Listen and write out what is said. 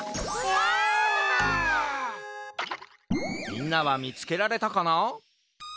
みんなはみつけられたかな？